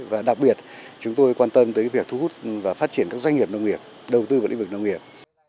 và đặc biệt chúng tôi quan tâm tới việc thu hút và phát triển các doanh nghiệp nông nghiệp đầu tư vào lĩnh vực nông nghiệp